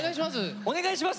お願いします。